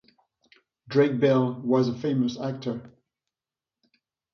Drake Bell was a famous actor.